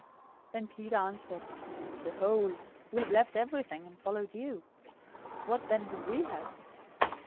019:027 Then Peter answered, "Behold, we have left everything, and followed you. What then will we have?"